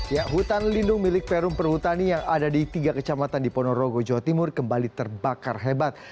ya hutan lindung milik perum perhutani yang ada di tiga kecamatan di ponorogo jawa timur kembali terbakar hebat